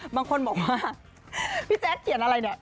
บางคนบอกว่าพี่แจ๊คเขียนอะไรเนี่ย